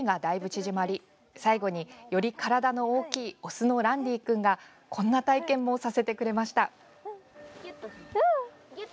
縮まり最後に、より体の大きいオスのランディ君がこんな体験もさせてくれました。